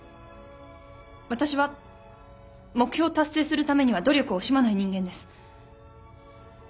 私は目標を達成するためには努力を惜しまない人間です。